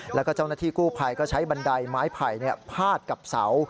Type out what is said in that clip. แล้วก็เจ้าหน้าที่กู้ภัยก็ใช้บันไดไม้ไผ่พาดกับเสา